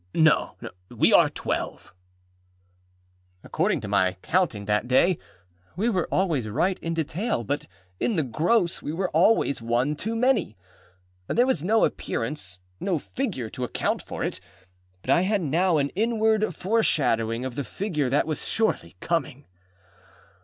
No. We are twelve.â According to my counting that day, we were always right in detail, but in the gross we were always one too many. There was no appearanceâno figureâto account for it; but I had now an inward foreshadowing of the figure that was surely coming.